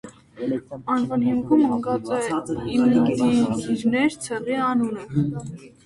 Անվանման հիմքում ընկած է ինդիգիրներ ցեղի անունը։